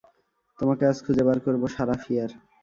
তোমাকে আজ খুঁজে বার করব, সারাহ ফিয়ার!